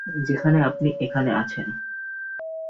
যেখানে আপনি এখানে আছেন।